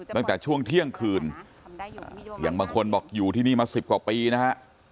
ตั้งแต่ช่วงเที่ยงคืนอย่างบางคนบอกอยู่ที่นี่มา๑๐กว่าปีนะฮะ